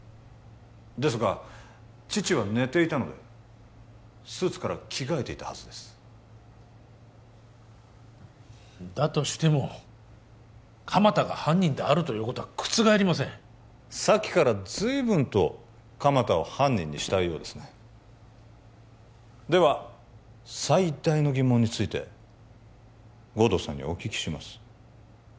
ですが父は寝ていたのでスーツから着替えていたはずですだとしても鎌田が犯人であるということは覆りませんさっきからずいぶんと鎌田を犯人にしたいようですねでは最大の疑問について護道さんにお聞きします